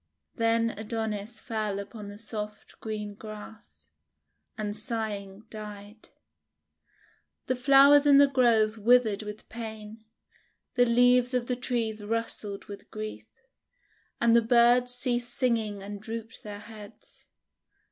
Then Adonis fell upon the soft green grass, and sighing died. The flowers in the Grove withered with pain, the leaves of the trees rustled with grief, and the birds ceased singing and drooped their heads.